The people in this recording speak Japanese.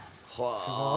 すごい。